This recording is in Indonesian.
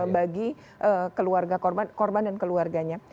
bagi keluarga korban dan keluarganya